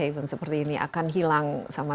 event seperti ini akan hilang sama